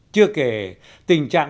chưa kể tình trạng